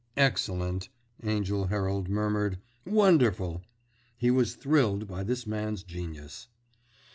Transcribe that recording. "Excellent!" Angell Herald murmured. "Wonderful!" He was thrilled by this man's genius.